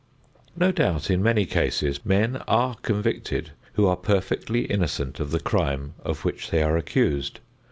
No doubt, in many cases, men are convicted who are perfectly innocent of the crime of which they are accused.